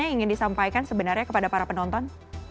yang ingin disampaikan sebenarnya kepada para penonton